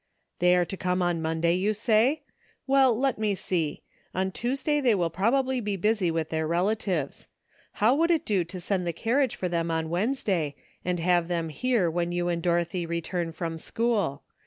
"They are to come on Monday, you say? Well, let me see. On Tuesday they will prob ably be busy with their relatives. How would it do to send the carriage for them on Wednesday, and have them here when you and Dorothy re turn from school?